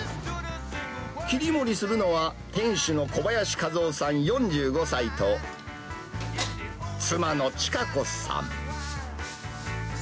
切り盛りするのは、店主の小林和夫さん４５歳と、妻の千華子さん。